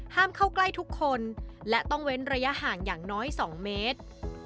เข้าใกล้ทุกคนและต้องเว้นระยะห่างอย่างน้อย๒เมตร